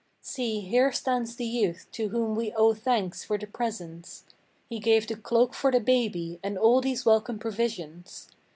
See, here stands the youth to whom we owe thanks for the presents. He gave the cloak for the baby, and all these welcome provisions.